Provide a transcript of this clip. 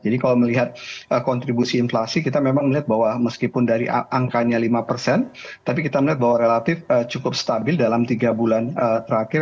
jadi kalau melihat kontribusi inflasi kita memang melihat bahwa meskipun dari angkanya lima tapi kita melihat bahwa relatif cukup stabil dalam tiga bulan terakhir